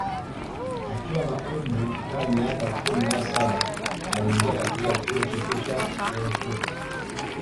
Akiwa na umri wa miaka kumi na saba aliingia katika Chuo Kikuu cha Erfurt